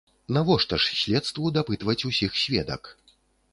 Навошта ж следству дапытваць усіх сведак?